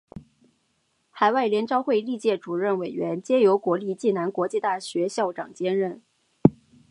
海外联招会历届主任委员皆由国立暨南国际大学校长兼任。